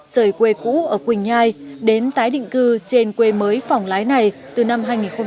sởi quê cũ ở quỳnh nhai đến tái định cư trên quê mới phỏng lái này từ năm hai nghìn bảy